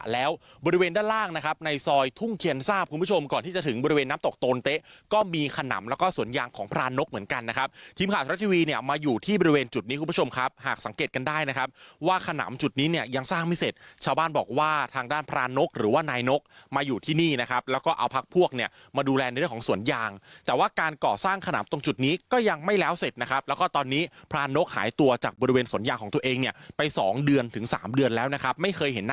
แล้วบริเวณด้านล่างนะครับในซอยทุ่งเขียนทราบคุณผู้ชมก่อนที่จะถึงบริเวณน้ำตกโตนเต๊ะก็มีขนำแล้วก็สวนยางของพลานกเหมือนกันนะครับทีมข่าวทรัพย์ทีวีเนี่ยมาอยู่ที่บริเวณจุดนี้คุณผู้ชมครับหากสังเกตกันได้นะครับว่าขนำจุดนี้เนี่ยยังสร้างไม่เสร็จชาวบ้านบอกว่าทางด้านพลานกหรือว่า